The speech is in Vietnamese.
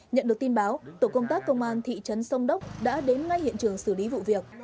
nhận được tin báo tổ công tác công an thị trấn sông đốc đã đến ngay hiện trường xử lý vụ việc